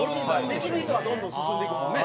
できる人はどんどん進んでいくもんね。